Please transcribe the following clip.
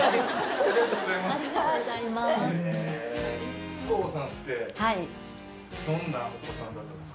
ありがとうございます。